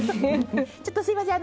ちょっとすみません。